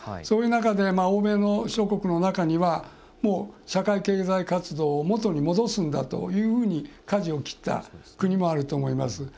そういう中で、欧米諸国の中には社会経済活動を元に戻すんだというふうにかじを切った国もあると思います。